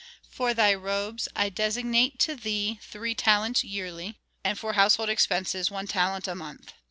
For thy robes I designate to thee three talents yearly, and for household expenses one talent a month.